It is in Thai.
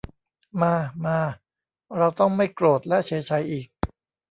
มา มา เราต้องไม่โกรธและเฉไฉอีก